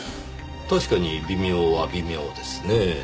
確かに微妙は微妙ですねぇ。